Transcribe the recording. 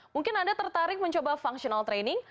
mungkin anda tertarik mencoba functional training